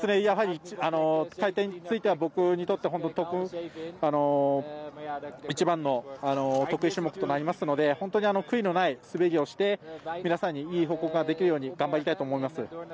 やはり回転については僕にとっては一番の得意種目となりますので本当に悔いのない滑りをして皆さんにいい報告ができるように頑張りたいと思います。